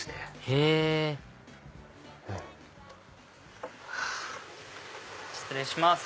へぇ失礼します